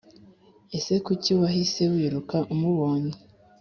Ese kuki wahise wiruka umubonye